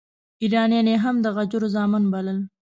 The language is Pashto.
ایرانیان یې هم د غجرو زامن بلل.